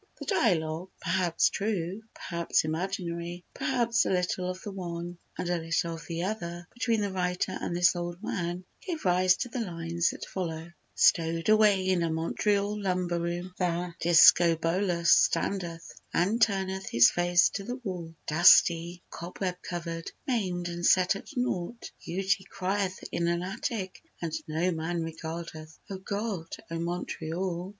The dialogue—perhaps true, perhaps imaginary, perhaps a little of the one and a little of the other—between the writer and this old man gave rise to the lines that follow: Stowed away in a Montreal lumber room The Discobolus standeth and turneth his face to the wall; Dusty, cobweb covered, maimed and set at naught, Beauty crieth in an attic and no man regardeth: O God! O Montreal!